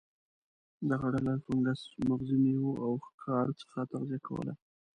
دغه ډلې له فنګس، مغزي میوو او ښکار څخه تغذیه کوله.